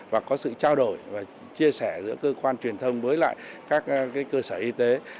và có sự trao đổi và chia sẻ giữa cơ quan truyền thông với lại các cơ sở y tế